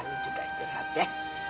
lu juga istirahat ya